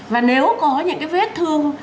và nếu có những cái vết thương